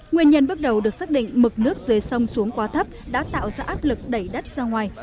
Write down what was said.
nguyên nhân bước đầu được xác định mực nước dưới sông xuống quá thấp đã tạo ra áp lực đẩy đất ra ngoài